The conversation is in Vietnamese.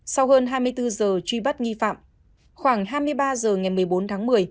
sau hơn hai mươi bốn giờ truy bắt nghi phạm khoảng hai mươi ba h ngày một mươi bốn tháng một mươi